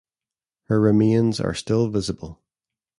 Her remains are still visible.